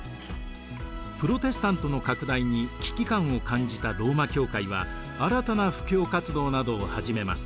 プロテスタントの拡大に危機感を感じたローマ教会は新たな布教活動などを始めます。